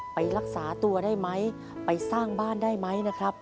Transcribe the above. ไปรักษาตัวได้ไหมไปสร้างบ้านได้ไหมนะครับ